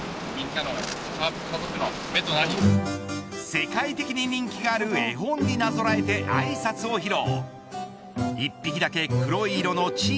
世界的に人気がある絵本になぞらえてあいさつを披露。